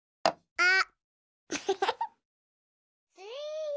あっ！